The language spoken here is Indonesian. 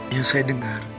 yang saya dengar